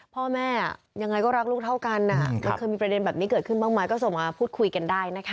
พ่อแม่อย่างไรก็รักลูกเท่ากัน